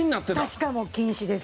確かもう禁止です。